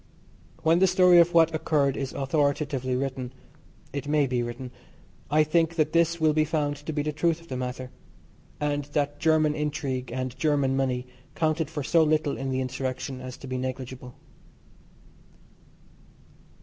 When the story of what occurred is authoritatively written (it may be written) I think that this will be found to be the truth of the matter, and that German intrigue and German money counted for so little in the insurrection as to be negligible.